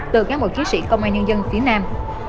từ cán bộ chiến sĩ công an nhân dân phía nam